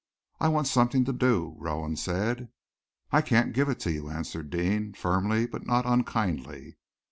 "I want something to do," Rowan said. "I can't give it to you," answered Deane, firmly but not unkindly.